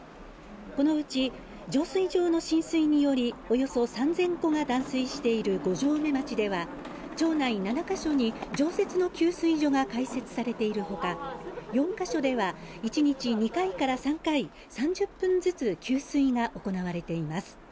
このうち浄水場の浸水によりおよそ３０００戸が断水している五城目町では町内７か所に常設の給水所が開設されているほか、４か所では１日２回から３回３０分ずつ給水が行われています。